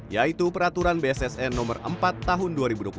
yaitu peraturan bssn nomor empat tahun dua ribu dua puluh satu